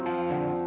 aku mau ke rumah